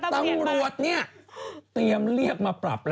ตำรวจเนี่ยเตรียมเรียกมาปรับแล้ว